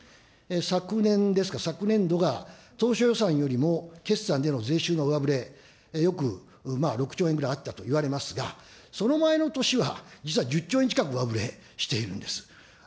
昨年ですか、昨年度が当初予算よりも決算での税収の上振れ、よく６兆円ぐらいあったといわれますが、その前の年は実は１０兆円近く上振れしているんです。